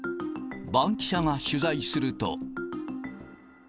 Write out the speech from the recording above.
バンキシャが取材すると。